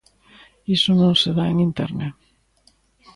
Iso non se dá en Internet.